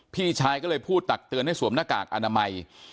พี่ชายก็เลยพูดตักเตือนให้สวมหน้ากากอนามัย